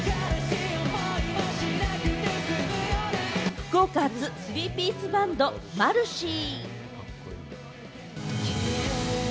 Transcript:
福岡発、スリーピースバンド・マルシィ。